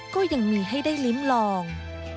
ก็ยังมีให้ได้ลิ้มลอง